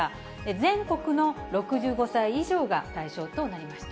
全国の６５歳以上が対象となりました。